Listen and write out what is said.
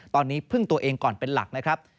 ตอนนี้พึ่งตัวเองก่อนเป็นหลักนะครับ